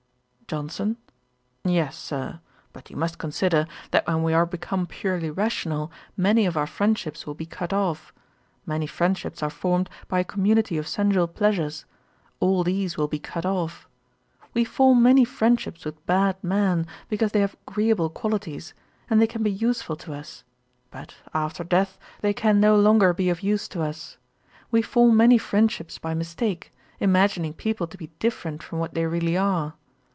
JOHNSON. 'Yes, Sir; but you must consider, that when we are become purely rational, many of our friendships will be cut off. Many friendships are formed by a community of sensual pleasures: all these will be cut off. We form many friendships with bad men, because they have agreeable qualities, and they can be useful to us; but, after death, they can no longer be of use to us. We form many friendships by mistake, imagining people to be different from what they really are.